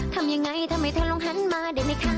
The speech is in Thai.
ทำยังไงทำไมเธอลองหันมาได้ไหมคะ